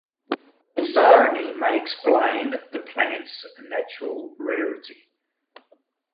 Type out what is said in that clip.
This irony may explain the plant’s natural rarity.